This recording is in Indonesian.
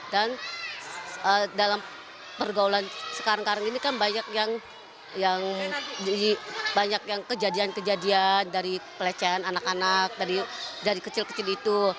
dan dalam pergaulan sekarang sekarang ini kan banyak yang kejadian kejadian dari pelecehan anak anak dari kecil kecil itu